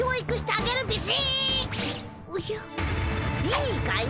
いいかい？